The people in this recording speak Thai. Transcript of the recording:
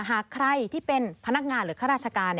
หากใครที่เป็นพนักงานหรือข้าราชการ